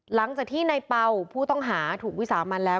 หลังจากที่ในเป่าผู้ต้องหาถูกวิสามันแล้ว